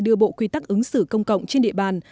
đưa bộ quy tắc ứng xử công cộng trên địa bàn